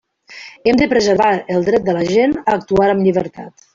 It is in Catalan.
Hem de preservar el dret de la gent a actuar amb llibertat.